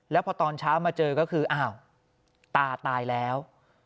แล้วพอตอนเช้ามาเจอก็คืออ้าวตาตายแล้ว